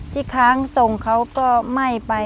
ที่ค้างส่งเขาก็ไหม้ไป